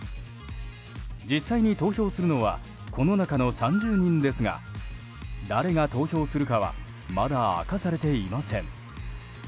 実際に投票するのはこの中の３０人ですが誰が投票するかはまだ明かされていません。